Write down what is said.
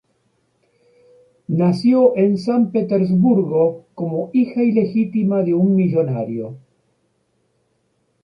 Nació en San Petersburgo, como hija ilegítima de un millonario.